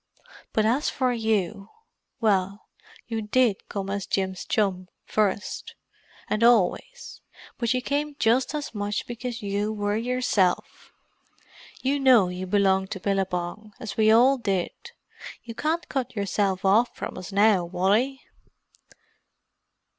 But as for you—well you did come as Jim's chum first—and always; but you came just as much because you were yourself. You know you belonged to Billabong, as we all did. You can't cut yourself off from us now, Wally."